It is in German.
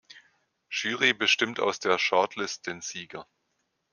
Jury bestimmt aus der Shortlist den Sieger.